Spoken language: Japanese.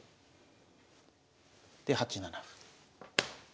で８七歩。